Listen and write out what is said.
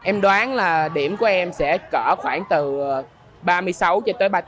em đoán là điểm của em sẽ cỡ khoảng từ ba mươi sáu cho tới ba mươi